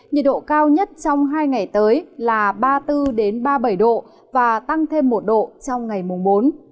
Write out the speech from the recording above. nhiệt độ cao nhất trong hai ngày tới là ba mươi bốn ba mươi bảy độ và tăng thêm một độ trong ngày mùng bốn